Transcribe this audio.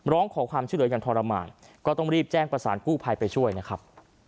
ร้องขอความช่วยเหลืออย่างทรมานก็ต้องรีบแจ้งประสานกู้ภัยไปช่วยนะครับ